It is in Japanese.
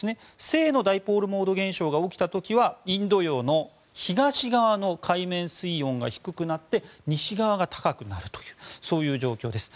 正のダイポールモード現象が起きた時はインド洋の東側の海面水温が低くなって西側が高くなるという状況です。